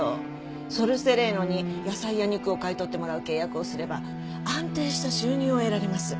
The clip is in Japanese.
ソル・セレーノに野菜や肉を買い取ってもらう契約をすれば安定した収入を得られます。